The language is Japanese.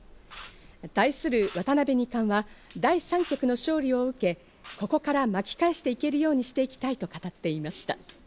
対する渡辺二冠は、第３局の勝利を受け、ここから巻き返していけるようにしていきたいと語っていました。